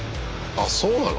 あっそうなの？